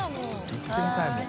行ってみたいもん。